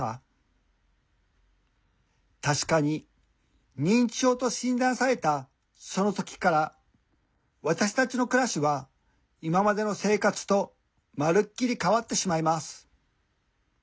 たしかに認知症と診断されたその時から私たちの暮らしは今までの生活とまるっきり変わってしまいます。